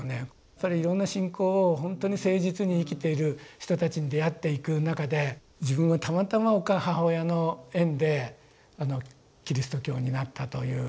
やっぱりいろんな信仰をほんとに誠実に生きている人たちに出会っていく中で自分はたまたま母親の縁でキリスト教になったという。